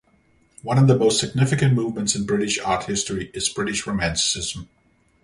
One of the most significant movements in British art history is British Romanticism.